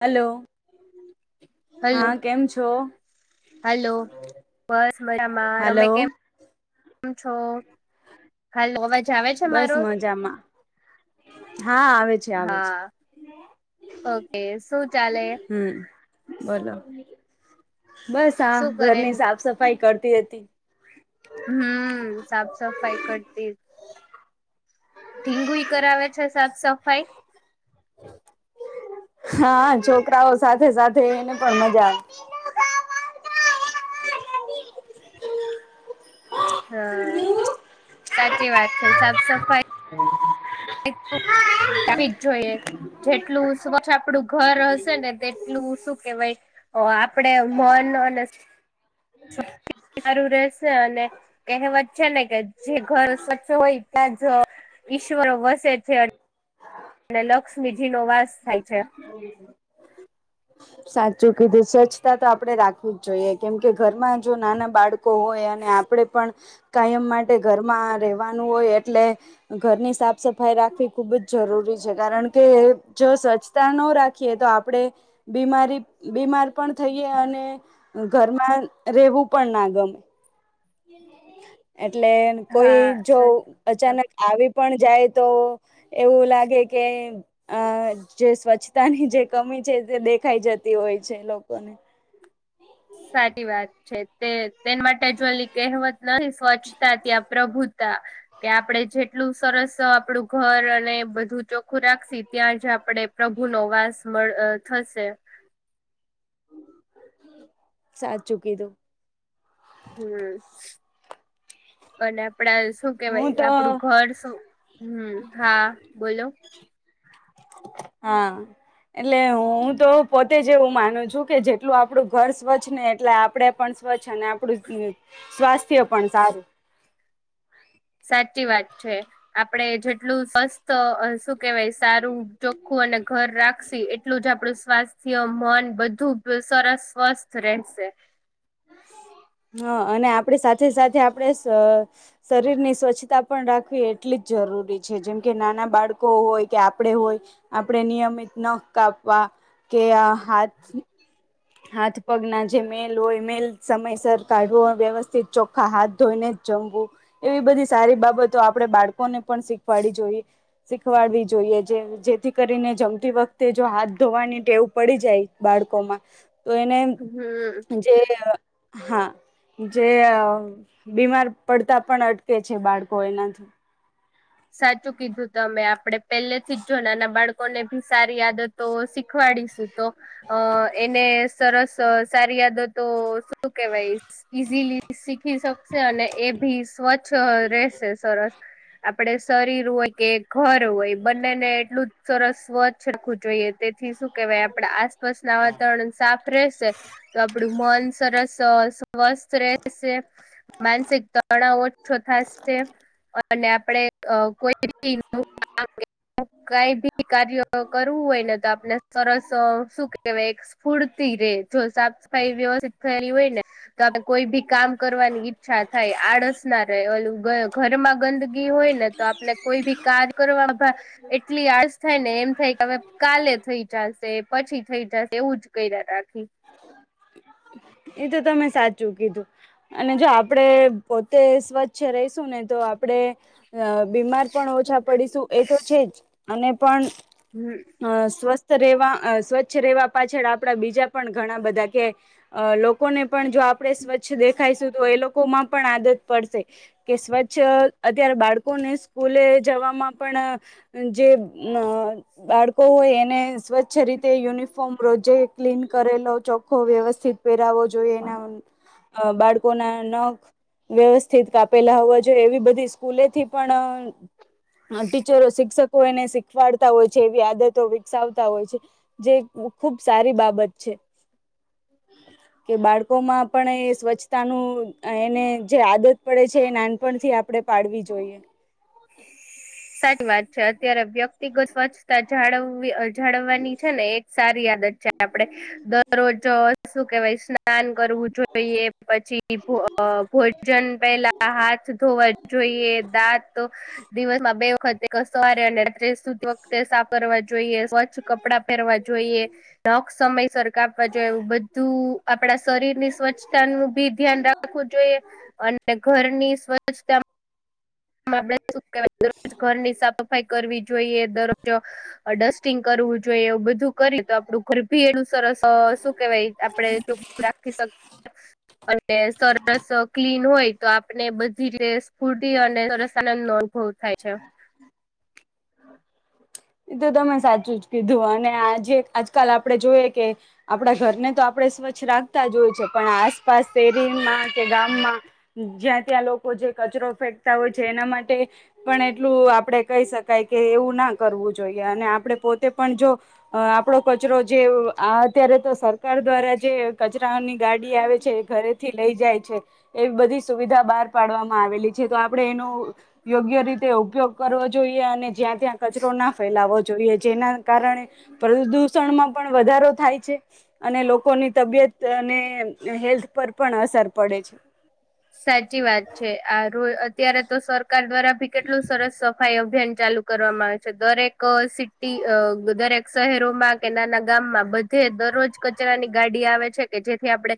Hello hello હા કેમ છો? હલો બસ મજામાં તમે હલો કેમ છો? હાલો અવાજ આવે છે બસ મારો મજામાં હા આવે છે આવે છે હા, ઓકે. શું ચાલે હમ્મ, બોલો. બસ આ શું કરે ઘરની સાફ સફાઈ કરતી હતી. હમ્મ, સાફ સફાઈ કરતી ઢીંગુ ઈ કરાવે છે સાફ સફાઈ? [inaudible] હા છોકરાઓ સાથે-સાથે એને પણ મજા આવે. હા આવે સાચી વાત છે. સાફ સફાઈ તો [inaudible] [unintelligible] જોઈએ. જેટલું સ્વચ્છ આપડું ઘર હશે ને તેટલું શું કહેવાય અહ આપડે મન [unintelligible] સારું રહેશે અને કહેવત છે ને કે જે ઘર સ્વચ્છ હોય ત્યાં જ અહ ઈશ્વરો વસે છે, અને લક્ષ્મીજી નો વાસ થાય છે. સાચું કીધું. સ્વચ્છતા તો આપડે રાખવી જ જોઈએ, કેમ કે ઘરમાં જો નાના બાળકો હોય અને આપણે પણ કાયમ માટે ઘરમાં રહેવાનું હોય એટલે ઘરની સાફ સફાઈ રાખ ખવી ખૂબ જ જરૂરી છે, કારણ કે જો સ્વચ્છતા ન રાખીએ તો આપણે બીમારી બીમાર પણ થઈએ અને ઘરમાં રહેવું પણ ના ગમે. એટલે કોઈ હા જો સચ અચાનક આવી પણ જાય તો એવું લાગે કે અહ જે સ્વચ્છતાની જે કમી છે દ દેખાઈ જતી હોય છે એ લોકોને. સાચી વાત છે. તે તેના માટે જો ઓલી કહેવત નથી સ્વચ્છતા ત્યાં પ્રભુ તા, કે આપડે જેટલું સરસ આપડું ઘર અને બધું ચોખ્ખું રાખશી ત્યાં જ આપડે પ્રભુ નો વાસ મ અહહ થશે. સાચું ચૂકી કીધું. હમ્મ. અને આપ પડા શું કેવાય હું તો આપડું ઘર શું હમ્મ, હા બોલો. હા. એટલે હું તો પોતે જ એવું માનું છું કે જેટલું આપડું ઘર સ્વચ્છ ને એટલા આપડે પણ સ્વચ્છ અને આપડું સ્વાસ્થ્ય પણ સારું. સાચી વાત છે. આપડે જેટલું સ્વસ્થ અહ શું કેવાય સારું ચોખ્ખું અને ઘર રાખશી એટલું જ આપડું સ્વાસ્થ્ય, મન બધું સરસ સ્વસ્થ રહેશ શે. [inaudible] હા અને આપડી સાથે-સાથે આપણે શ શરીર ની સ્વચ્છતા પણ રાખવી એટલી જ જરૂરી છે, જેમ કે નાના બાળકો હોય કે આપડે હોય, આપણે નિયમિત નખ કાપવા કે આ હાથ-હાથ પગ ના જે મેલ હોય મેલ સમય સર કાઢવો, વ્યવસ્થિત ચોખ્ખા હાથ ધોઈને જ જમવું એવી બધી સારી બાબતો આપડે બાળકોને પણ શીખવાડી જોઈ. શીખવાડવી જોઈએ, જે જેથી કરીને જમતી વખતે જો હાથ ધોવાની ટેવ પડી જાય બાળ કોમાં તો એને હમ જે અહ હા જે બીમાર પડતા પણ અટકે છે બાળકો એનાથી. સાચું કીધું તમે. આપડે પેલેથી જ જો નાના બાળકોને ભી સારી આદતો શીખવાડીશું તો અહ એને સરસ સ સારી યાદો તો શું કેવાય ઈઝીલી શીખી શક કશે અને એ ભી સ્વચ્છ રહેશે સરસ આપડે શરીર હોય કે ઘર હોય બંનેને એટલું જ સરસ સ્વચ્છ રાખવું જોઈએ, તેથી શું કેહેવાય આપડા આસપાસના વાતાવરણ સાફ રહેશે તો આપડું મન સરસ અહ સ સ્વસ્થ રહેશે માનસિક તણાવ ઓછો થશે અને આ આપડે અ કોઈ બી [inaudible] કઈ બી કાર્ય કરવું હોય ને તો આપને સરસ અહ શું કેવાય સ્ફૂરતી જો સાફ સફાઈ વ્યવસ્થિત થયેલી હોય ને તો આપણે કોઈ ભી કામ કરવાની ઈચ્છા થાય આ ળસ ના રહે ઓલું ઘ ઘરમાં ગંદગી હોય ને તો આપણે કોઈ બી કાર કરવામાં એટલી આળસ થાય ને એમ થાય કે હવે કાલે થઈ જશે પછી થઈ જશે એવું જ કઈ અ અ રાખી એ તો તમે સાચું કીધું અને જો આપડે પોતે સ્વચ્છ રહીશું ને તો આપડે અ બીમાર પણ ઓછા પડીશું એ તો છે જ અને પણ હમ અ સ્વસ્ સ્થ રેવા સ્વચ્છ રહેેવા પાછળ આપણા બીજા પણ ઘણા બધા કે લોકોને પણ જો આપણે સ્વચ્છ દે ખાયશું તો એ લોકો માં પણ આદત પડશે કે સ્વચ્છ અત્યારે બાળ કોને સ્કૂલે જવામાં પણ જે અ બાળકો હોય એને સ્વચ્છ રીતે યુનિફોર્મ રોજ જે ક્લીન કરેલો ચોખ્ખો વ્યવસ્થિત પહેરાવો જોઈએ એના બાળકો ના નખ વ્યવસ્થિત કાપેલા હોવા જોઈએ એવી બધી સ્કૂલે થી પણ હા ટીચરો શિક્ષક કો એને શીખવાડતા હોય છે એવી આદતો વિકસાવતા હોય છે જે ખુબ સારી બાબત છે. [inaudible] કે બાળકો માં પણ એ સ્વચ્છતાનું એને જે આદત પડે છે એ નાનપણથી આપડે પાડવી જોઈએ. સાદ વાત છે અત્યારે વ્યક્તિગત સ્વચ્છતા જાળવવી અ જાળવવાની છે ને એ સારી યાદ જ છે આપડે દરરોજ શું કેવાય સ્નાન કરવું જોઈએ પછી ભો ભોજન પેલા હાથ ધોવા જો જોઈએ દાંત દિવસમાં બે વખતે સવારે અને રાત્રે સુતી વખતે સાફ કરવા જોઈએ સ્વચ્છ કપડાં પેરવા જોઈએ નખ સમયસર કાપવા જોઈએ, એવું બધું આપડા શરીર ની સ્વચ્છતા નું ભી ધ્યાન રાખવું જોઈએ અને ઘરની સ્વચ્છતા આપે શું કેવાય દરરોજ ઘરની સાફ સફાઈ કરવી જોઈએ દરરોજ ડસ્ટિંગ કર વુ જોઈ એવું બધું કરી તો આપડું ગરભી એટલું સરસ અ શું કેવાય આપડે ચોખું રાખી શક અને સરસ ક્લીન હોય તો આપને બ ધી જે સ્ફૂર્તિ અને સરસ આનંદ નો અનુભવ થાય છે. એ તો તમે સાચું જ કીધું અને આ જે આજકાલ આપડે જોઈએ કે આપણા ઘરને તો આપણે સ્વચ્છ રાખતા જ હોય છે પણ આસપાસ શેરીમાં કે ગામમાં જ્યાં ત્યાં લોકો કચરો ફેંકતા હોય છે એના માટે પણ એટલું આપડે કહી શકાય કે એવું ના કરવું જોઈએ અને આપડે પોતે પણ જો આપણો કચરો જે અત્યારે તો સરકાર દ્વારા જે કચરાઓની ગાડી આવે છે એ ઘરેથી લઈ જાય છે. એવી બધી સુવિધા બહાર પાડવામાં આવેલી છે તો આપણેે એનું યોગ્ય રીતે ઉ કીએ અને જ્યાં ત્યાં કચરો ના ફેલાવવો જોઈએ જેના કારણે પ્રદૂષણમાં પણ વધારો થાય છે અને લોકોની તબિયત અને હેલ્ લ્થ પર પણ અસર પડે છે. સાચી વાત છે આરૂ અત્યારે તો સરકાર દ્વારા ભી કેટલું સરસ સફાઈ અભ ભિયાન ચાલુ કરવામાં આવે છે, દરેક સિટી અ દરેક શહેરોમાં કે નાના ગામમાં બધે દરરોજ કચરાની ગાડી આવે છે કે જેથી આપડણે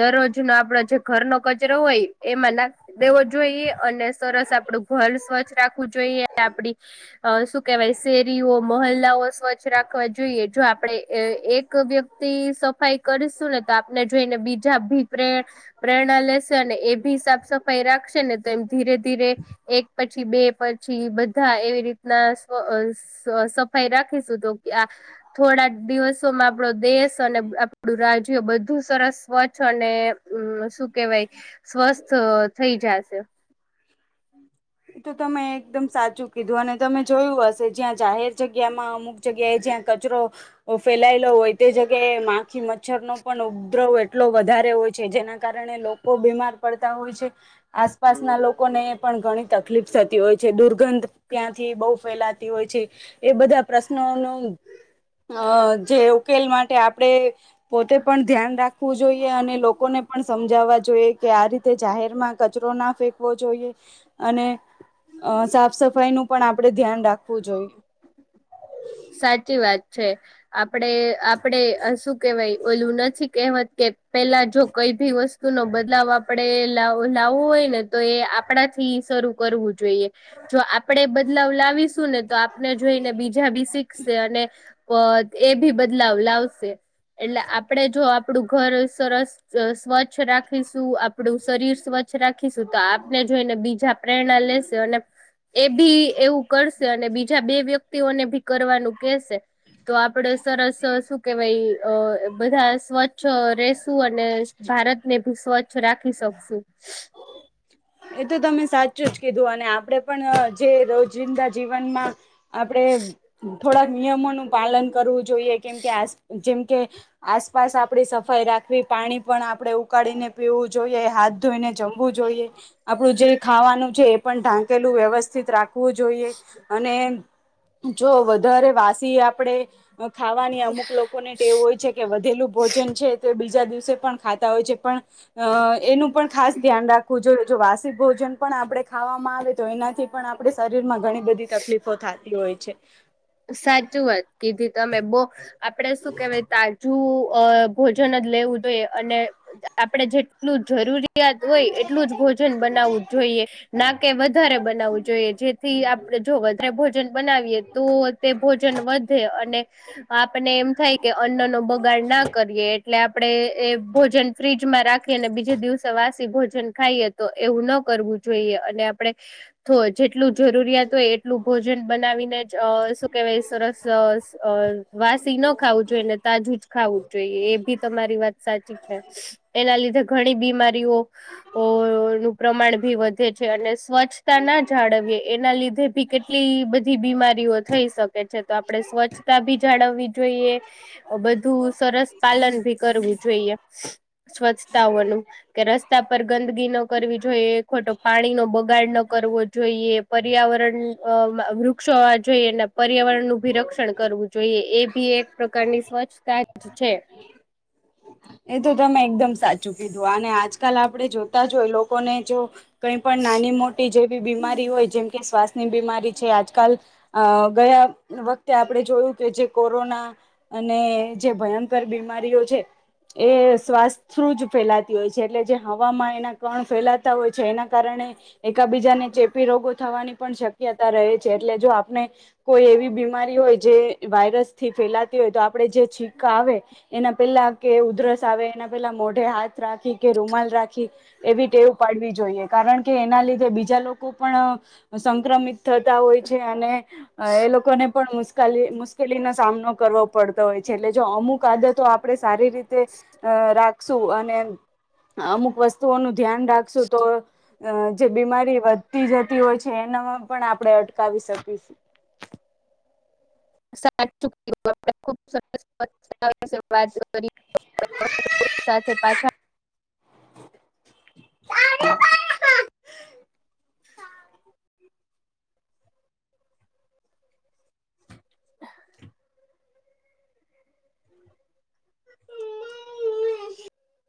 દરરોજ નો આપડો જે ઘરનો કચરો હોય એમાં નાખ દેવો જોઈએ અને સરસ આપડું ઘર સ્વચ્ છ રાખું જોઈએ આપડી અ શું કેવાય શેરીઓ મોહલ્લાઓ સ્વચ્છ રાખવા જોઈએ, જો આપણેે એક વ્યક્તિ સફાઈ કરીશું ને તો આપને જોઈને બીજા ભી પ્રે પ્રેરણા લેશે અને એ ભી સાફ સફાઈ રાખશે ને તો એમ ધીરે ધીરે એક પછી બે પછી બધા એવી રીતના સફાઈ રાખ તો કે આ થોડા દિવસોમાં આપણો દેશ અને આપણું રાજ્યો બધું સરસ સ્વચ્છ અને શું કેવાય સ્વસ્થ થઈ જશે તો તમે એકદમ સાચું કીધું, અને તમે જોયું હશે, જ્યાં જાહેર જગ્યામાં અમુક જગ્યાએ જ્યાં કચરો ફેલાયેલો હોય તે જગ્યાએ, માખી મચ્છર નો પણ ઉપદ્રવ એટલો વધારે હોય. હોય છે, જેના કારણે લોકો બીમાર પડતા હોય છે, આસપાસના લોકોને પણ ઘણી તકલીફ થતી હોય છે. દુર્ગંધ ત્યાંથી બહુ ફેલાતી હોય છે. એ બધા પ્રશ્નો ઓનું અ, જે ઉકેલ માટે આપડે પોતે પણ ધ્યાન રાખવું જોઈએ, અને લોકોને પણ સમજાવવા જોઈએ કે, આ રીતે જાહેર માં કચરો ના ફેંકવો જોઈએ. અને અ, સાફ-સફાઈ નું પણ આપડે ધ્યાન રાખવું જોઈએ. હા. સાચી વાત છે. આપડે, આપડે શું કેવાય, ઓલું નથી કહેવાત. કે પેલા જો કઈ ભી વસ્તુ નો બદલાવ આપડે લાવું હોય ને, તો એ આપણાથી શરૂ કરવું જોઈએ જો આપણે બદલાવ લાવીશું ને, તો આપને જોઈને બીજા બી અને એ બી બદલાવ લાવશે. એટલે, આપડે જો આપડું ઘર સરસ સ્વચ્છ રાખીશું. આપણું શરીર સ્વચ્છ રાખીશું, તો આપને જોઈને બીજા પ્રેરણા લેશે, અને એ ભી એવું કરશે, અને બીજા બે વ્યક્તિઓને ભી કરવાનું કેશે. તો આપડે સરસ, શું કેવાઈ, અ.. બધા સ્વચ્છ, સરસ, અને ભારત ને ભી સ્વચ્છ રાખી શકશું. એ તો તમે સાચું જ કીધું, અને આપડે પણ જે રોજિંદા જીવનમાં આપણેે થોડાક નિયમોનું પાલન કરવું જોઈએ, કેમકે આ જેમ કે આસપાસ આપડી સફાઈ રાખવી. પાણી પણ આપણે ઉકાળીને પીવું જોઈએ. હાથ ધોઈને જમવું જોઈએ. આપણું જે ખાવાનું છે, એ પણ ઢાંકેલું, વ્યવસ્થિત રાખવું જોઈએ, અને જો વધારે વાસી આપડે ખાવાની અમુક લોકોને ટેવું હોય છે કે, વધેલું ભોજન છે, તે બીજું બીજ દિવસે પણ ખાતા હોય છે, પણ એનું પણ ખાસ ધ્યાન રાખવું જોઈએ, વાસી ભોજન પણ આપણે ખાવામાં આવે, તો એનાથી પણ આપે શરીર માં ઘણી બધી તકલીફો થતી હોય છે. સાચું વાત કીધી તમે. બો, આપડે શું કહેવાય, તાજું અ, ભોજન જ લેવું જોઈએ, અને આપણે જેટલું જરૂરી હોય, એટલું જ ભોજન બનાવવું જોઈએ, નાકે વધારે બનાવવું જોઈએ, જેથી આપણે એટલે બને ભોજન બનાવીએ તો તે ભોજન વધે, અને આપને એમ થાય કે, અન્ન નો બગાડ ના કરીએ. એટલે, આપણે એ ભોજન ફ્રીજમાં રાખી, અને બીજે દિવસે વાસી ભોજન ખાઈએ, તો એવું ન કરવું જોઈએ. અને આપણે જે એટલું જરૂરિયાત હોય, એટલું ભોજન બનાવીને જ સરસ. વાસી ન ખાવું જોઈએને, તાજું જ ખાવું જોઈએ. એ બી તમારી સાચી છે. એના લીધે ઘણી બીમારીઓ પ્રમાણ ભી વધે છે અને સ્વચ્છતા ના જાળવીએ. એના લીધે ભી કેટલી બધી બીમારીઓ થઈ શકે. તો આપડે સ્વચ્છતા ભી જાળવવી જોઈએ. બધું સરસ, પાલન ભી કરવું. સ્વચ્છતાઓ નુ, કે રસ્તા પર ગંદગી ન કરવી જોઈએ. ખોટો પાણી નો બગાડ ન કરવો જોઈએ. પર્યાવરણ, વૃક્ષ હોવા જોઈએ. પર્યાવરણનું ભી રક્ષણ કરવું જોઈએ. એ બી એક પ્રકારની સ્વચ્છતા જ છે. એ તો તમે એકદમ સાચું કીધું, અને આજકાલ આપણે જોતા જોય, લોકોને જો કઈ પણ નાની-મોટી જેવી બીમારી હોય, જેમ કે શ્વાસની બીમારી છે, આજકાલ અ, ગયા વખતે આપણે જોયું કે, જે કોરોના અને જે ભયંકર બીમા રીઓ છે એ શ્વાસથી જ ફેલાતી હોય છે, એટલે જે હવામાં એના કણ ફેલાતા હોય છે, એના કારણે એકબીજાને ચેપી રોગો થવાની પણ શક્યતા રહે છે. એટલે, જો આપણે કોઈ એવી બીમારી હોય જે વાયરસ થી ફેલાતી હોય તો આપડે જે છીકા આવે એના પેલા કે ઉધરસ આવે એના પેલા મોઢે હાથ રાખી કે રૂમાલ રાખી એવી ટેવ પાડવી જોઈએ કાર કારણ કે એના લીધે બીજા લોકો પણ સંક્રમિત થતા હોય છે અને એ લોકો ને પણ મુશ કેલી નો સામનો કરવો પડતો હોય છે એટલે અમુક આદતો આપડે સારી રીતે રાખશું અને અમુક વસ્તુઓનું ધ્યાન રાખશું તો જે બીમારી વધતી જતી હોય છે પણ આપણેે અટકાવી શકીશ સાચુ સર વાત કરી [inaudible] [inaudible] સાથે પાછા [inaudible]